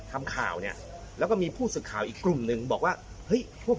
ทำข่าวเนี่ยแล้วก็มีผู้สื่อข่าวอีกกลุ่มหนึ่งบอกว่าเฮ้ยพวก